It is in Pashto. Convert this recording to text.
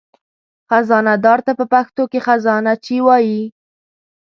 خزانهدار ته په پښتو کې خزانهچي وایي.